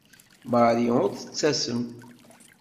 Marie ur tettasem.